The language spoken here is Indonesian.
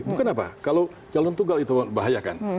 bukan apa kalau calon tunggal itu bahayakan